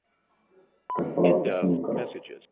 ڪپڙا پسند ڪر